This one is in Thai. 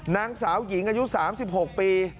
นางสาวหญิงอายุ๓๖ปี